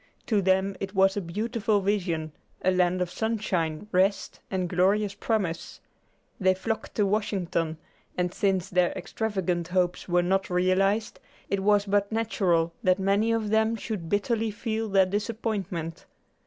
To them it was a beautiful vision, a land of sunshine, rest and glorious promise. They flocked to Washington, and since their extravagant hopes were not realized, it was but natural that many of them should bitterly feel their disappointment.